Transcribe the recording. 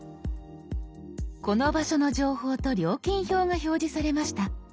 この場所の情報と料金表が表示されました。